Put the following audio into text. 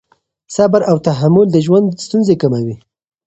صبر او تحمل د ژوند ستونزې کموي.